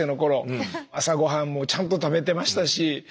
朝ごはんもちゃんと食べてましたし